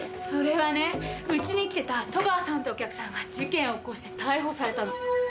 それはねうちに来てた戸川さんってお客さんが事件起こして逮捕されたの。